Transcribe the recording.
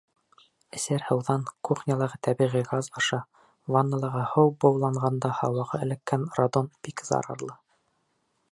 Эсәр һыуҙан, кухнялағы тәбиғи газ аша, ванналағы һыу быуланғанда һауаға эләккән радон бик зарарлы.